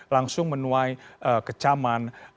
langsung menuai kecaman